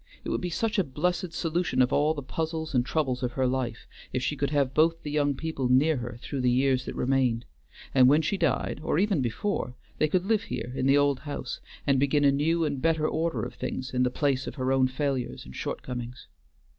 It would be such a blessed solution of all the puzzles and troubles of her life if she could have both the young people near her through the years that remained, and when she died, or even before, they could live here in the old house, and begin a new and better order of things in the place of her own failures and shortcomings.